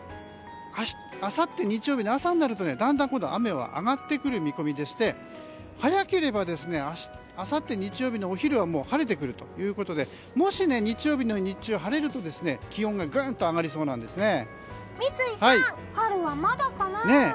あさって日曜日の朝になるとだんだん雨は上がってくる見込みで早ければあさって日曜日のお昼は晴れてくるということでもし日曜日の日中晴れると三井さん、春はまだかな？